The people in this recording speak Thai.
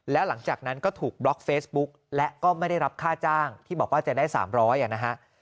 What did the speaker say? แล้วหลังจากนั้นก็ถูกบล็อกเฟซบุ๊กและก็ไม่ได้รับค่าจ้างที่บอกว่าจะได้๓๐๐นะฮะ